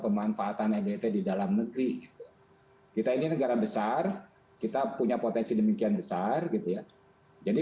pemanfaatan egt di dalam negeri kita ini negara besar kita punya potensi demikian besar gitu ya jadi